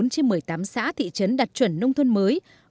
một mươi bốn trên một mươi tám xã thị trấn đặt chuẩn nông thuần mới